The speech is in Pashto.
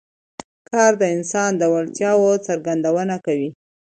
کار د انسان د وړتیاوو څرګندونه کوي